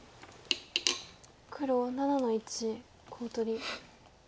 黒７の一コウ取り。